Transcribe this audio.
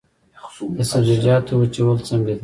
د سبزیجاتو وچول څنګه دي؟